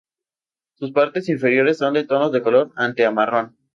Sus partes inferiores son de tonos de color ante a marrón.